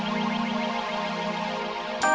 tapi mereka bicycle yang sangat bekerja